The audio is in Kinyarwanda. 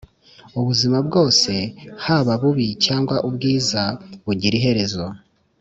ubuzima bwose haba ububi cyangwa ubwiza bugira iherezo